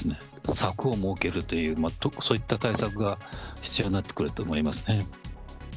柵を設けるという、そういった対策が必要になってくると思います